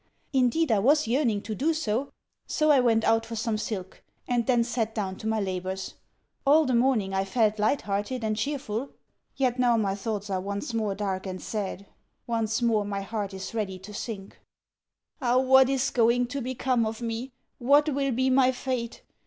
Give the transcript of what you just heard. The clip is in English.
Indeed I was yearning to do so, so I went out for some silk, and then sat down to my labours. All the morning I felt light hearted and cheerful. Yet now my thoughts are once more dark and sad once more my heart is ready to sink. Ah, what is going to become of me? What will be my fate?